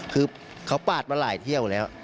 คือเขาปาดมาหลายเที่ยวแล้ว